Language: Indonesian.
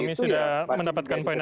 kami sudah mendapatkan poin anda